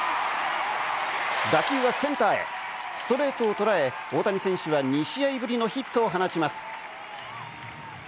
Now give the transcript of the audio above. ストレートを捉え、大谷選手は２試合ぶりのヒットを放ちます。